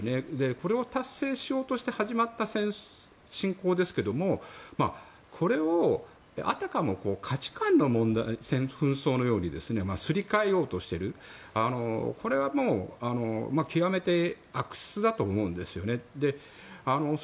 これを達成しようとして始まった侵攻ですけどもこれをあたかも価値観の紛争のようにすり替えようとしていることは極めて悪質だと思うんですね。